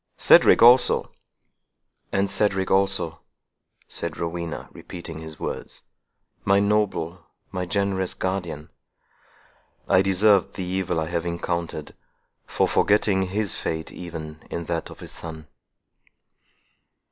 Cedric also—" "And Cedric also," said Rowena, repeating his words; "my noble—my generous guardian! I deserved the evil I have encountered, for forgetting his fate even in that of his son!"